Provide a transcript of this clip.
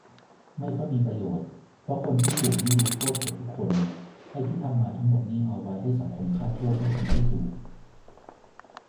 ไม่ค่อยมีประโยชน์ เพราะคนที่สูบนี่รู้โทษเกือบทุกคน ไอ้ที่ทำมาทั้งหมดนี่เอาไว้ให้สังคมคาดโทษให้คนที่สูบ